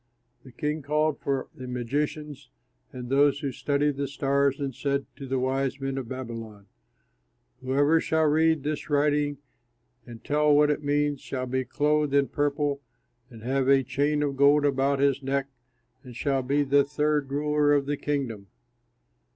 The king called for the magicians and those who study the stars and said to the wise men of Babylon, "Whoever shall read this writing and tell what it means shall be clothed in purple and have a chain of gold about his neck and shall be the third ruler in the kingdom."